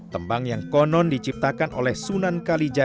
tembang yang konon diciptakan oleh sunan kalija